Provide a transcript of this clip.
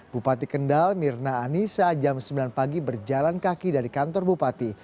bupati kendal mirna anissa jam sembilan pagi berjalan kaki dari kantor bupati